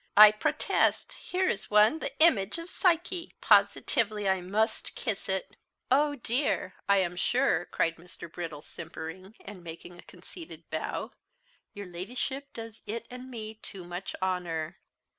I protest here is one the image of Psyche; positively I must kiss it!" "Oh dear! I am sure," cried Mr. Brittle, simpering, and making a conceited bow, "your Ladyship does it and me too much honour.